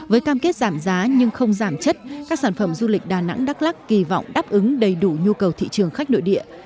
với cam kết giảm giá nhưng không giảm chất các sản phẩm du lịch đà nẵng đắk lắc kỳ vọng đáp ứng đầy đủ nhu cầu thị trường khách nội địa